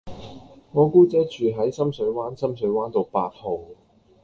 我姑姐住喺深水灣深水灣道八號